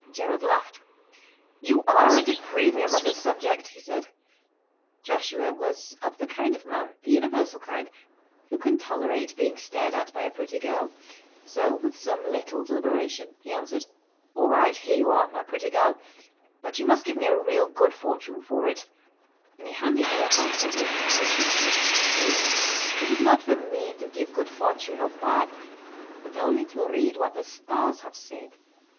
Gerald laughed. "You are at a premium as a subject," he said. Joshua was of the kind of man—the universal kind—who can tolerate being stared at by a pretty girl; so, with some little deliberation, he answered: "All right; here you are, my pretty girl; but you must give me a real good fortune for it," and he handed her a half sovereign, which she took, saying: "It is not for me to give good fortune or bad, but only to read what the Stars have said."